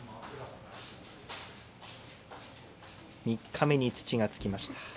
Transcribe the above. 三日目に土がつきました。